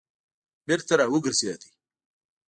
بېرته را وګرځېد.